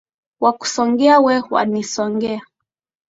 Nakusongea we wanisongea